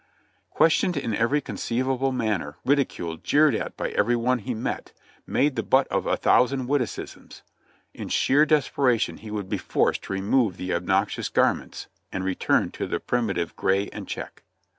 Questioned in every conceivable manner, ridiculed, jeered at by every one he met, made the butt of a thousand witticisms, in sheer desperation he would be forced to remove the obnoxious gar ments and return to the primitive gray and check.